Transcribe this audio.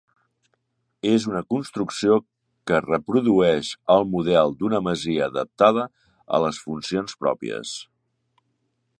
És una construcció que reprodueix el model d'una masia adaptada a les funcions pròpies.